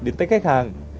đến tới khách hàng